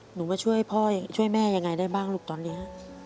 หนูมาช่วยแม่ยังไงได้บ้างลูกตอนนี้